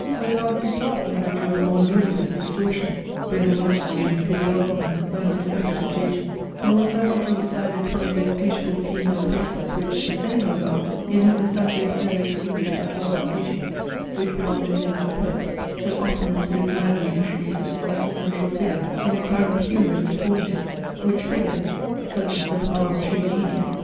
Hogarth himself never drew a more ludicrous distortion both of attitude and physiognomy, than this effort occasioned nor was there wanting beside it one of those beautiful female faces which the same Hogarth, in whom the satirist never extinguished that love of beauty which belonged to him as a poet, so often and so gladly introduces, as the central figure, in a crowd of humorous deformities, which figures, (such is the power of true genius!)